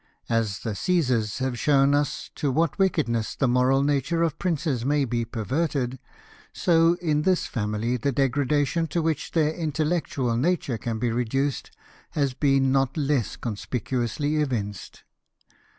As the Caesars have shown us to what wickedness the moral nature of princes may be perverted, so in this family the degradation to which their intellectual nature can be reduced has been not less conspicu ously evinced.